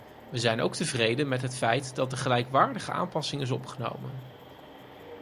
We zijn ook tevreden met het feit dat de gelijkwaardige aanpassing is opgenomen.